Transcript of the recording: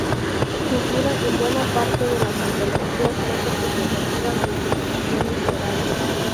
Figura en buena parte de las antologías más representativas de su promoción literaria.